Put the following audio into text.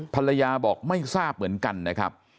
ภรรยาบอกไม่ทราบเหมือนกันนะครับ